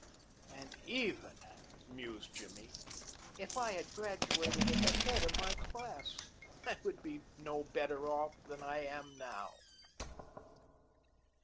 "And even," mused Jimmy, "if I had graduated at the head of my class, I would be no better off than I am now."